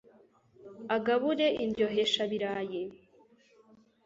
Agabure Indyoheshabirayi